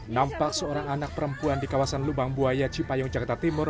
nampak seorang anak perempuan di kawasan lubang buaya cipayung jakarta timur